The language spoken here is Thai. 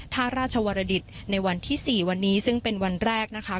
ท่าราชวรดิตในวันที่๔วันนี้ซึ่งเป็นวันแรกนะคะ